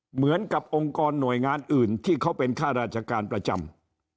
เหมือนกับองค์กรหน่วยงานอื่นที่เขาเป็นข้าราชการประจำ